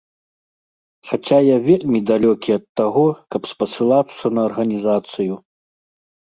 Хаця я вельмі далёкі ад таго, каб спасылацца на арганізацыю.